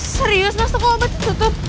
serius mas toko obatnya tutup